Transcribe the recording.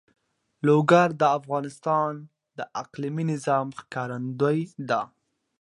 لوگر د افغانستان د اقلیمي نظام ښکارندوی ده.